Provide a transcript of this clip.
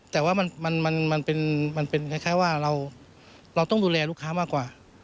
แต่ว่ามันเป็นคล้ายว่าเราต้องดูแลลูกค้ามากกว่า